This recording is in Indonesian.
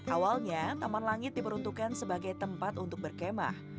awalnya taman langit diperuntukkan sebagai tempat untuk berkemah